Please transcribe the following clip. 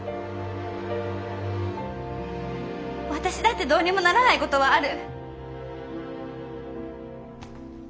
私だってどうにもならないことはある。